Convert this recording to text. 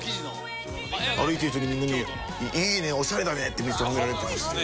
歩いてる時にみんな「いいねオシャレだね」ってめっちゃ褒められてました。